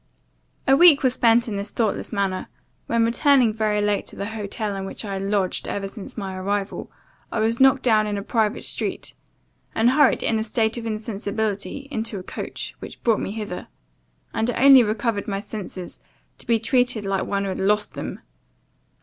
"A week was spent in this thoughtless manner, when, returning very late to the hotel in which I had lodged ever since my arrival, I was knocked down in a private street, and hurried, in a state of insensibility, into a coach, which brought me hither, and I only recovered my senses to be treated like one who had lost them.